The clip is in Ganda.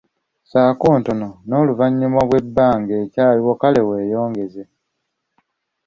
Ssaako ntono n’oluvannyuma bw'ebanga ekyaaliwo kale weeyongeze.